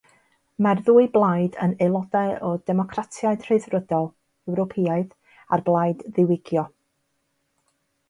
Mae'r ddwy blaid yn aelodau o'r Democratiaid Rhyddfrydol Ewropeaidd a'r Blaid Ddiwygio.